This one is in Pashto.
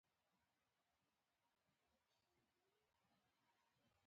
امریکا کې سوپرایلیویشن په فوټ اندازه کیږي